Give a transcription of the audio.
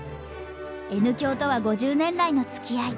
Ｎ響とは５０年来のつきあい。